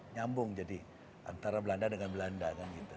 nyambung jadi antara belanda dengan belanda kan gitu